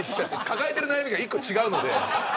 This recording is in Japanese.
抱えている悩みが１個違うので。